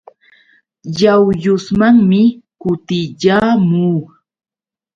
Yawyusmanmi kutiyaamuu.